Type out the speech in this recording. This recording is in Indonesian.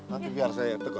nanti biar saya tegur